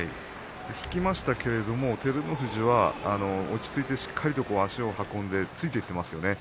引きましたけれども照ノ富士は落ち着いてしっかり足を運んでついていってますよね。